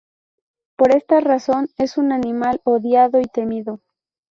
Por esta razón es un animal odiado y temido.